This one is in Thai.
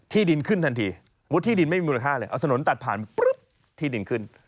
ดินขึ้นทันทีมุดที่ดินไม่มีมูลค่าเลยเอาถนนตัดผ่านปุ๊บที่ดินขึ้น